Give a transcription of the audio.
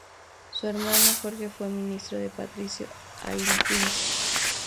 Su hermano Jorge fue ministro de Patricio Aylwin.